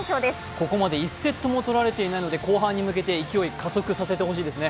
ここまで１セットも取られていないので後半に向けて勢いを加速させてほしいですね。